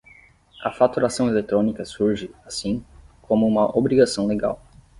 A faturação eletrónica surge, assim, como uma obrigação legal.